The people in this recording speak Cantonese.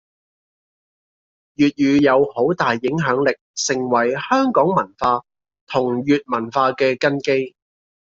粵語有好大影響力，成為香港文化同粵文化嘅根基